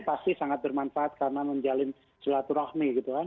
pasti sangat bermanfaat karena menjalin selatu rahmi gitu kan